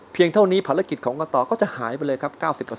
เท่านี้ภารกิจของกตก็จะหายไปเลยครับ๙๐